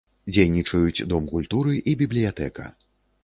Дзейнічаюць дом культуры і бібліятэка.